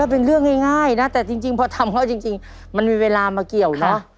เป็นเรื่องง่ายนะแต่จริงพอทำเขาจริงมันมีเวลามาเกี่ยวเนอะ